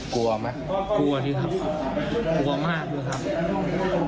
กลัวไหมครับกลัวที่ครับกลัวมากเลยครับ